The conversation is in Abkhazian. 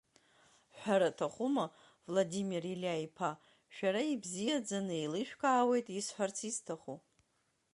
Ҳәара аҭахума, Владимир Илиа-иԥа, шәара ибзиаӡаны еилышәкаауеит исҳәарц исҭаху…